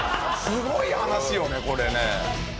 すごい話よねこれね。